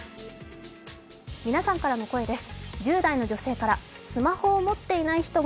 皆さんからの声です。